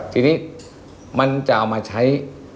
ทีนี้มันจะเอามาใช้